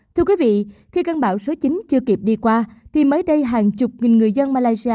thưa quý vị khi cơn bão số chín chưa kịp đi qua thì mới đây hàng chục nghìn người dân malaysia